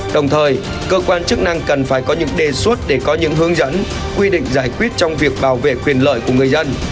đồng thời cơ quan chức năng cần phải có những đề xuất để có những hướng dẫn quy định giải quyết trong việc bảo vệ quyền lợi của người dân